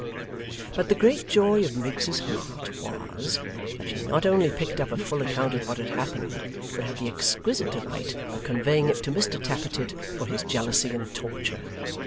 But the great joy of Miggs's heart was, that she not only picked up a full account of what had happened, but had the exquisite delight of conveying it to Mr Tappertit for his jealousy and torture.